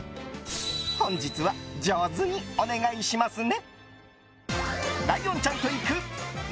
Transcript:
本日は上手にお願いしますね。